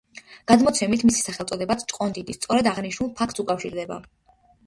გადმოცემით, მისი სახელწოდებაც „ჭყონდიდი“ სწორედ აღნიშნულ ფაქტს უკავშირდება.